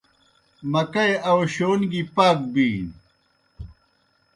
مکئی آؤشِیون گیْ پاک بِینیْ۔